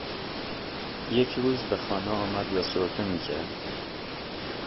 یک روز به خانه آمد و سرفه میکرد